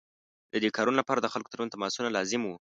د دې کارونو لپاره د خلکو ترمنځ تماسونه لازم وو.